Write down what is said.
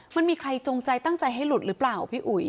มันมีใครจงใจตั้งใจให้หลุดหรือเปล่าพี่อุ๋ย